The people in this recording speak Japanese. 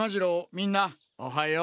みんなおはよう。